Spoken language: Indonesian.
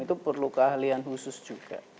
itu perlu keahlian khusus juga